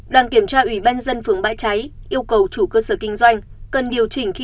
đoàn kiểm tra ủy ban nhân dân phường bãi cháy yêu cầu chủ cơ sở kinh doanh